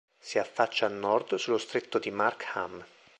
Si affaccia a nord sullo stretto di Markham.